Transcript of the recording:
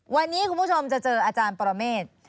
วันนี้คุณผู้ชมจะเจออาจารย์ปรเมฆ